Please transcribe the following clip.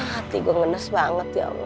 aduh hati gue ngenes banget ya allah